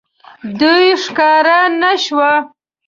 دېو ښکاره نه شو.